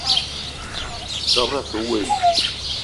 Dob-ro asse we i?